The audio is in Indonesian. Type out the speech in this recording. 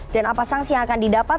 dan apa sanksi yang akan didapat